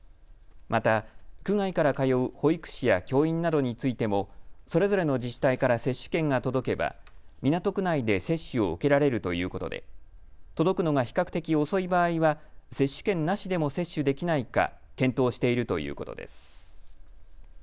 また、区外から通う保育士や教員などについてもそれぞれの自治体から接種券が届けば港区内で接種を受けられるということで届くのが比較的遅い場合は接種券なしでも接種できないか検討しているということです。